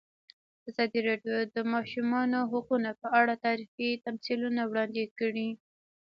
ازادي راډیو د د ماشومانو حقونه په اړه تاریخي تمثیلونه وړاندې کړي.